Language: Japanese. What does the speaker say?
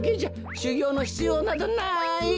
しゅぎょうのひつようなどない。